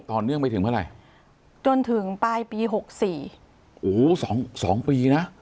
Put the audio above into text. เนื่องไปถึงเมื่อไหร่จนถึงปลายปีหกสี่โอ้โหสองสองปีนะ